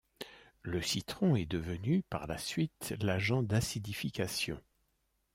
Le citron est devenu, par la suite, l’agent d’acidification.